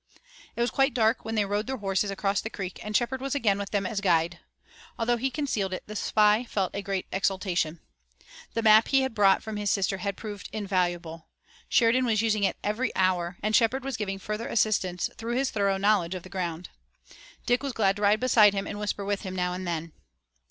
It was quite dark when they rode their horses across the creek and Shepard was again with them as guide. Although he concealed it, the spy felt a great exultation. The map that he had brought from his sister had proved invaluable. Sheridan was using it every hour, and Shepard was giving further assistance through his thorough knowledge of the ground. Dick was glad to ride beside him and whisper with him, now and then.